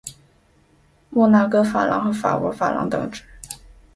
摩纳哥法郎和法国法郎等值。